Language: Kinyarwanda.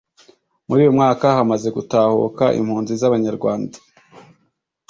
Muri uyu mwaka hamaze gutahuka impunzi z’abanyarwand